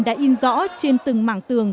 đã in rõ trên từng mảng tường